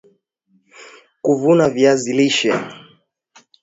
kuvuna viazi lishe